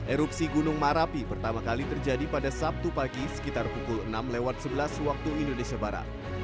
erupsi gunung marapi pertama kali terjadi pada sabtu pagi sekitar pukul enam lewat sebelas waktu indonesia barat